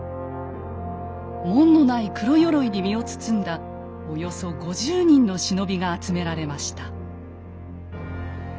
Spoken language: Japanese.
紋のない黒よろいに身を包んだおよそ５０人の忍びが集められました。